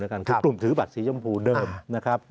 คือกลุ่มถือบัตรสีชมพูเดิมนะครับ